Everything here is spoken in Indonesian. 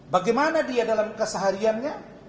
bagaimana dia dalam kesehariannya